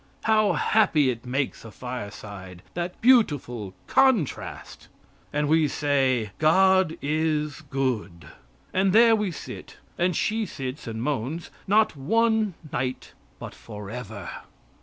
How happy it makes a fireside, that beautiful contrast. And we say, "God is good," and there we sit, and she sits and moans, not one night but forever.